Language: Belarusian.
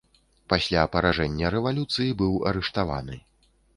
Пасля паражэння рэвалюцыі быў арыштаваны.